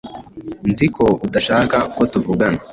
Nzi ko udashaka ko tuvugana.